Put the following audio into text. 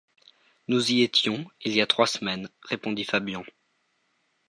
Nous y étions, il y a trois semaines, répondit Fabian.